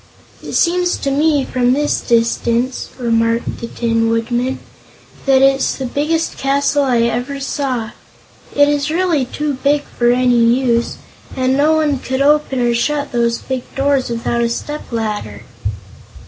"It seems to me, from this distance," remarked the Tin Woodman, "that it's the biggest castle I ever saw. It is really too big for any use, and no one could open or shut those big doors without a stepladder."